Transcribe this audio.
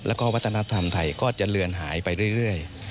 แล้วก็วัฒนธรรมไทยก็จะเลือนหายไปเรื่อย